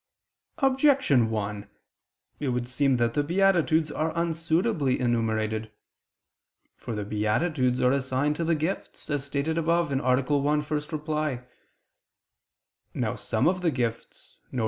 Objection 1: It would seem that the beatitudes are unsuitably enumerated. For the beatitudes are assigned to the gifts, as stated above (A. 1, ad 1). Now some of the gifts, viz.